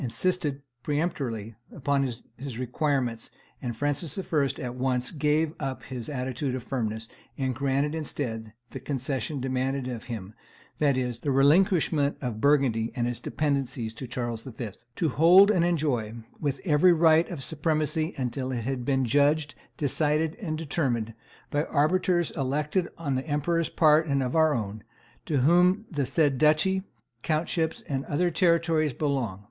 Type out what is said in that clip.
insisted peremptorily upon his requirements; and Francis I. at once gave up his attitude of firmness, and granted, instead, the concession demanded of him, that is, the relinquishment of Burgundy and its dependencies to Charles V., "to hold and enjoy with every right of supremacy until it hath been judged, decided, and determined, by arbiters elected on the emperor's part and our own, to whom the said duchy, countships, and other territories belong. ...